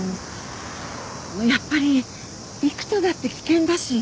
やっぱり育田だって危険だし。